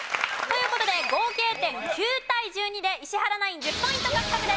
という事で合計点９対１２で石原ナイン１０ポイント獲得です。